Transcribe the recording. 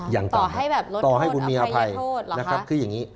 อย่างต่ำหรอฮะต่อให้แบบลดโทษอภัยให้โทษหรอคะคืออย่างนี้